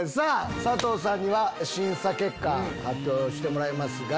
佐藤さんには審査結果発表してもらいます。